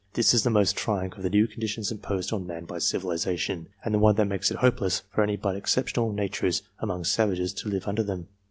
This is the most trying of the new conditions imposed on man by civiliza tion, and the one that makes it hopeless for any but exceptional natures among savages, to live under them.